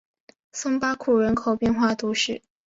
松巴库人口变化图示